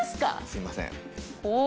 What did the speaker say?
すみません。